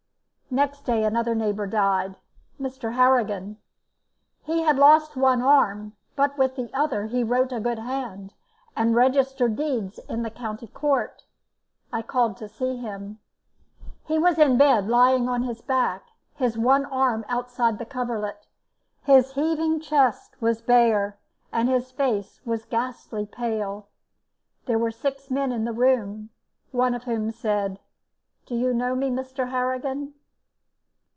Next day another neighbour died, Mr. Harrigan. He had lost one arm, but with the other he wrote a good hand, and registered deeds in the County Court. I called to see him. He was in bed lying on his back, his one arm outside the coverlet, his heaving chest was bare, and his face was ghastly pale. There were six men in the room, one of whom said: "Do you know me, Mr. Harrigan?"